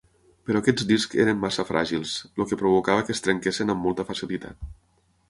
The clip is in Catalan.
Però aquests discs eren massa fràgils, el que provocava que es trenquessin amb molta facilitat.